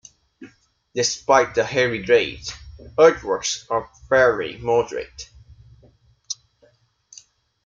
Despite the heavy grades, earthworks are fairly moderate.